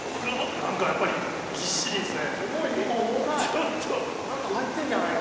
何かやっぱりぎっしりですね。